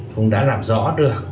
cũng đã làm rõ được